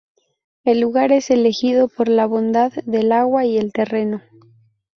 El lugar es elegido por la bondad del agua y el terreno.